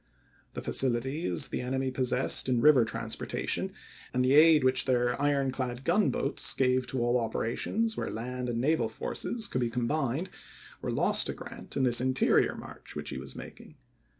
The facili ties the enemy possessed in river transportation, and the aid which their iron clad gunboats gave to all operations where land and naval forces could be combined, were lost to Grant in this interior march which he was making.